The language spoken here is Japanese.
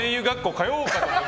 通おうかと。